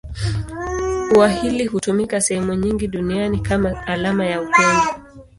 Ua hili hutumika sehemu nyingi duniani kama alama ya upendo.